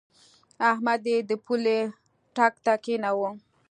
احمد يې د پولۍ ټک ته کېناوو.